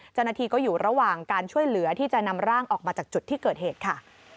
เจ้าหน้าที่ก็อยู่ระหว่างการช่วยเหลือที่จะนำร่างออกมาจากจุดที่เกิดเหตุค่ะ